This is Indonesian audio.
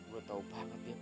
gue tahu banget ya